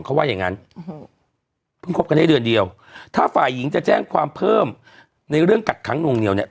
เขาว่าอย่างงั้นเพิ่งคบกันได้เดือนเดียวถ้าฝ่ายหญิงจะแจ้งความเพิ่มในเรื่องกักขังนวงเหนียวเนี่ย